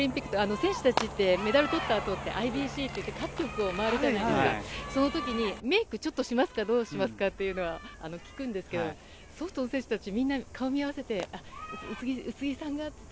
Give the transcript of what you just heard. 選手たちって、メダルとったあとＩＢＣっていって各局を回ったりしてその時に、メイクをちょっとしますかどうしますかって聞くんですけどソフトの選手たち、みんな顔を見合わせて宇津木さんがって。